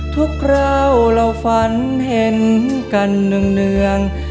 คราวเราฝันเห็นกันเนื่อง